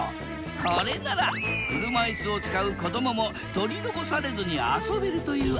これなら車いすを使う子どもも取り残されずに遊べるという案だ。